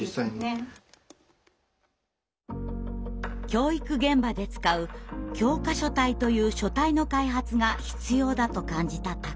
教育現場で使う教科書体という書体の開発が必要だと感じた高田さん。